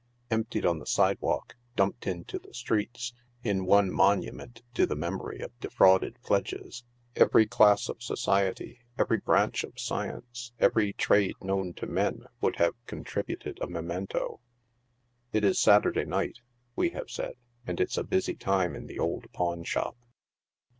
Emptied on the sidewalk", dumped into the streets, in one monument to the memory of defrauded pledges, every class of society, every branch of science, every trade known to men would have contribu ted a memento. It is Saturday night, we have said, and ics a busy time in the old pawn shop.